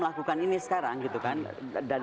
melakukan ini sekarang gitu kan dan